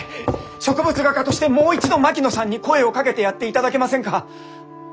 植物画家としてもう一度槙野さんに声をかけてやっていただけませんか？